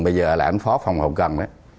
bây giờ là anh phó phòng hậu cần